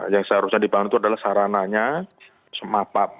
yang seharusnya dibangun itu adalah sarananya sematab